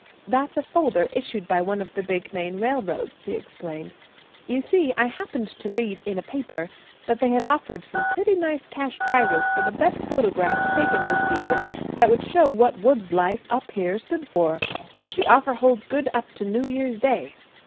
"That's a folder issued by one of the big Maine railroads," he explained. "You see, I happened to read in a paper that they had offered some pretty nice cash prizes for the best photographs taken this season that would show what woods life up here stood for. The offer holds good up to New Year's Day."